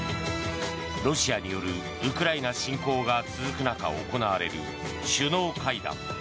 ロシアによるウクライナ侵攻が続く中行われる首脳会談。